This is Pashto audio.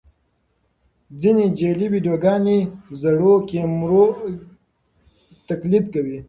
ځینې جعلي ویډیوګانې زړو کمرې تقلید کوي.